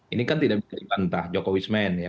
ini kan tidak bisa dibantah jokowismen ya